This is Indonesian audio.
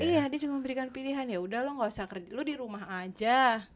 iya dia juga memberikan pilihan ya udah lo gak usah kerja lo dirumah aja